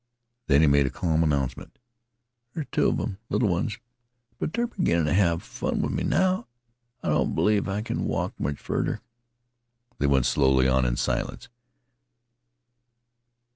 Then he made a calm announcement: "There's two of 'em little ones but they 're beginnin' t' have fun with me now. I don't b'lieve I kin walk much furder." They went slowly on in silence.